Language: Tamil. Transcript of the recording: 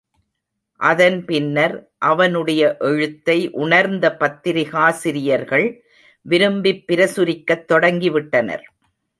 அதன் பின்னர், அவனுடைய எழுத்தை உணர்ந்த பத்திரிகாசிரியர்கள் விரும்பிப் பிரசுரிக்கத் தொடங்கிவிட்டனர்.